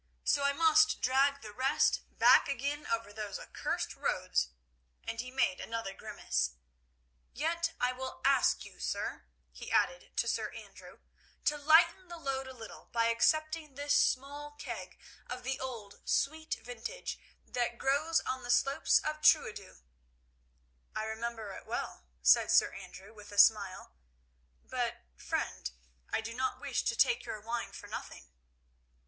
So I must drag the rest back again over those accursed roads," and he made another grimace. "Yet I will ask you, sir," he added to Sir Andrew, "to lighten the load a little by accepting this small keg of the old sweet vintage that grows on the slopes of Trooidos." "I remember it well," said Sir Andrew, with a smile; "but, friend, I do not wish to take your wine for nothing."